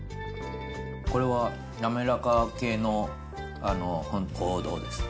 これは、滑らか系の王道です。